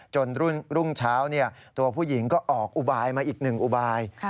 รุ่งเช้าตัวผู้หญิงก็ออกอุบายมาอีกหนึ่งอุบาย